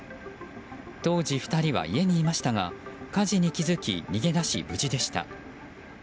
当時２人は家にいましたが火事に気付き逃げ出し無事でした。